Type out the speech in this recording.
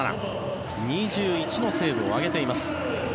２１のセーブを挙げています。